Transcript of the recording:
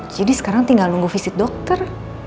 jadi sekarang tinggal nunggu visit dokter